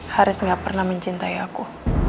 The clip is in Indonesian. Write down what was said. haris gak pernah mencintai aku